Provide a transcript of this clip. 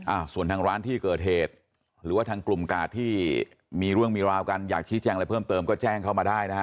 อ่าส่วนทางร้านที่เกิดเหตุหรือว่าทางกลุ่มกาดที่มีเรื่องมีราวกันอยากชี้แจงอะไรเพิ่มเติมก็แจ้งเข้ามาได้นะฮะ